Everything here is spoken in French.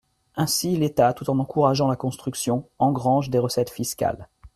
Ainsi l’État, tout en encourageant la construction, engrange des recettes fiscales.